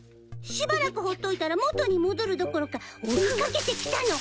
しばらくほっといたら元に戻るどころか追い掛けてきたの！